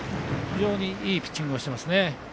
非常にいいピッチングをしてます。